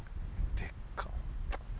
でっか！